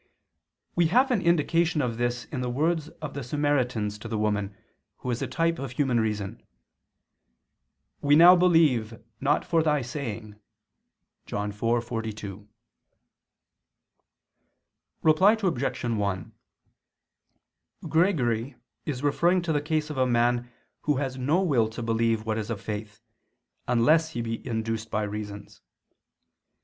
We have an indication of this in the words of the Samaritans to the woman, who is a type of human reason: "We now believe, not for thy saying" (John 4:42). Reply Obj. 1: Gregory is referring to the case of a man who has no will to believe what is of faith, unless he be induced by reasons.